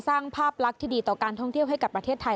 สร้างภาพลักษณ์ที่ดีต่อการท่องเที่ยวให้กับประเทศไทย